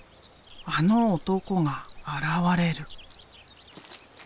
あの男が現れる。